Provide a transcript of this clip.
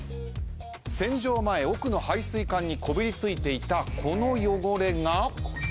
洗浄前奥の排水管にこびり付いていたこの汚れが。